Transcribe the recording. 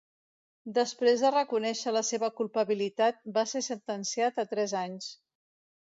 Després de reconèixer la seva culpabilitat, va ser sentenciat a tres anys.